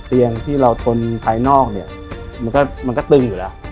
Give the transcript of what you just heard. เตียงที่เราทนภายนอกเนี่ยมันก็ตึงอยู่แล้ว